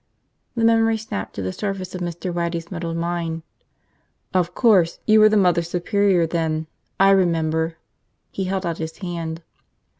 The memory snapped to the surface of Mr. Waddy's muddled mind. "Of course! You were the Mother Superior then! I remember!" He held out his hand.